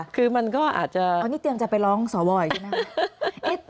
คือมันก็อาจจะอ๋อนี่เตรียมจะไปร้องสอวออีกนะ